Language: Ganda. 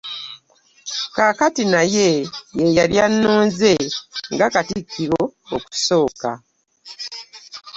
Kaakati, naye ye yali yannonze nga Katikkiro okusooka.